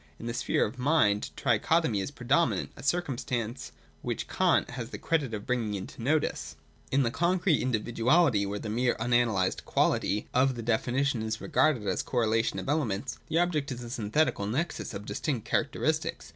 In the sphere of mind trichotomy is predominant, a circum stance which Kant has the credit of bringing into notice. 231.J (y) In the concrete individuality, where the mere unanalysed quality of the definition is regarded as a cor relation of elements, the object is a synthetical nexus of distinct characteristics.